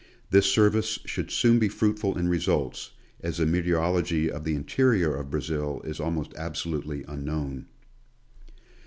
This service should soon be fruitful in results, as the meteorology of the interior of Brazil is almost absolutely unknown.